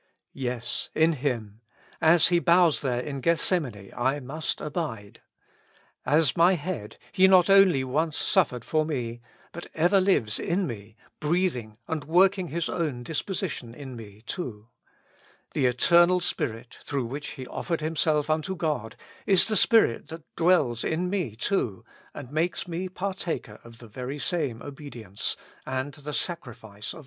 Yes, in Him, as He bows there in Gethsemane, I must abide. As my Head, He not only once suf fered for me, but ever lives in me, breathing and working His own disposition in me too. The Eter nal Spirit, through which He offered Himself unto God, is the Spirit that dwells in me too, and makes me partaker of the very same obedience, and the sacrifice of the will unto God.